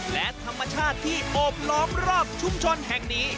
และธรรมชาติที่โอบล้อมรอบชุมชนแห่งนี้